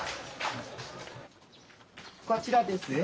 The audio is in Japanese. こちらですよ。